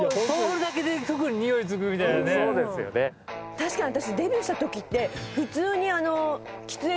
確かに私。